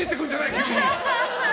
急に。